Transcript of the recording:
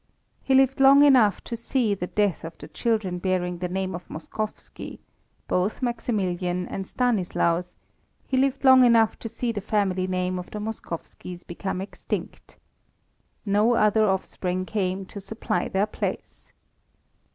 He lived long enough to see the death of the children bearing the name of Moskowski, both Maximilian and Stanislaus; he lived long enough to see the family name of the Moskowskis become extinct. No other offspring came to supply their place.